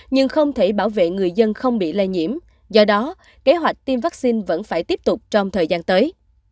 nhưng không thể bảo vệ người dân không bị lây nhiễm do đó kế hoạch tiêm vaccine vẫn phải tiếp tục trong thời gian tới